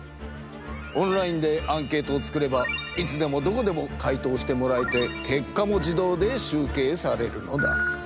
オンラインでアンケートを作ればいつでもどこでも回答してもらえてけっかも自動で集計されるのだ。